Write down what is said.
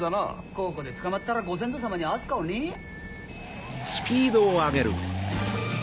ここで捕まったらご先祖さまに合わす顔ねえや。